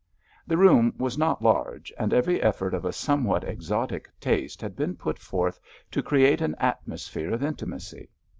The room was not large, and every effort of a somewhat exotic taste had been put forth to create an atmosphere of intimacy.